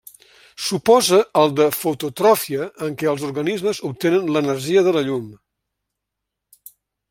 S'oposa al de fototròfia en què els organismes obtenen l'energia de la llum.